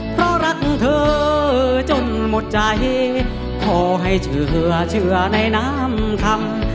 เพราะรักเธอจนหมดใจขอให้เชื่อเชื่อในน้ำคำ